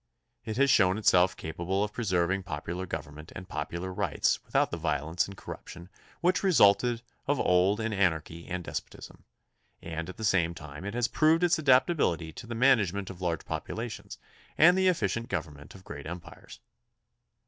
It has shown itself capable of preserving popular gov ernment and popular rights without the violence and corruption which resulted of old in anarchy and despot ism, and at the same time it has proved its adaptability to the management of large populations and the effi cient government of great empires.